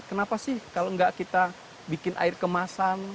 kenapa sih kalau tidak kita membuat air kemasan